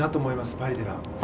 パリでは。